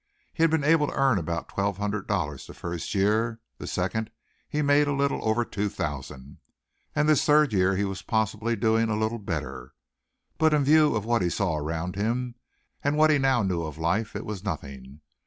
He had been able to earn about $1200 the first year; the second he made a little over two thousand, and this third year he was possibly doing a little better. But in view of what he saw around him and what he now knew of life, it was nothing.